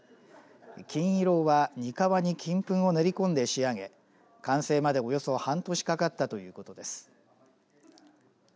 金色はにかわに金粉を練り込んで仕上げ完成までおよそ半年かかったということです。